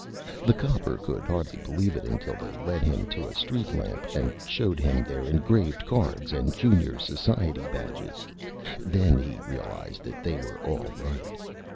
The Copper could hardly Believe it until they led him to a Street Lamp, and showed him their Engraved Cards and Junior Society Badges; then he Realized that they were All Right.